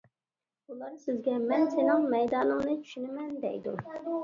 ئۇلار سىزگە «مەن سېنىڭ مەيدانىڭنى چۈشىنىمەن» دەيدۇ.